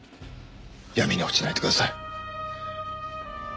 闇に落ちないでください。